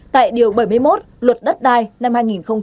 tại điều bảy mươi một luật đất đai năm hai nghìn một mươi ba